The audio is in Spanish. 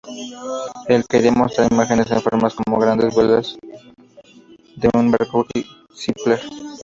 Él "quería mostrar imágenes en formas como grandes velas de un barco clipper.